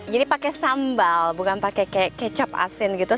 jadi pakai sambal bukan pakai kecap asin gitu